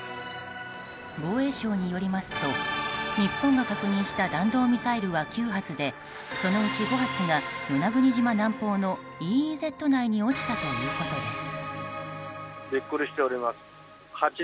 防衛省によりますと日本が確認した弾道ミサイルは９発でそのうち５発が与那国島南方のＥＥＺ内に落ちたということです。